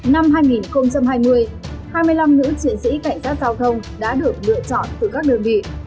năm hai nghìn hai mươi hai mươi năm nữ chiến sĩ cảnh sát giao thông đã được lựa chọn từ các đơn vị